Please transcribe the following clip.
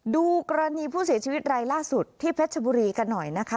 ดูกรณีผู้เสียชีวิตรายล่าสุดที่เพชรชบุรีกันหน่อยนะคะ